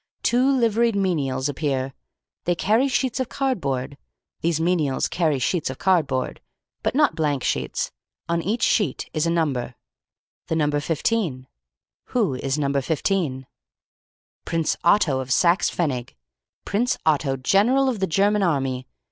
Two liveried menials appear. They carry sheets of cardboard. These menials carry sheets of cardboard. But not blank sheets. On each sheet is a number. "The number 15. "Who is number 15? "Prince Otto of Saxe Pfennig. Prince Otto, General of the German Army.